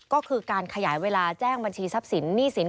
ก็คือการขยายเวลาแจ้งบัญชีทรัพย์สินหนี้สิน